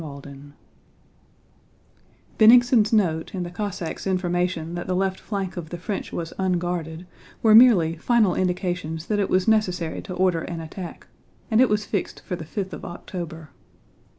CHAPTER IV Bennigsen's note and the Cossack's information that the left flank of the French was unguarded were merely final indications that it was necessary to order an attack, and it was fixed for the fifth of October.